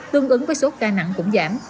tương ứng với số ca nặng cũng giảm